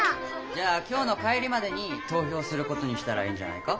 じゃあきょうの帰りまでにとうひょうすることにしたらいいんじゃないか？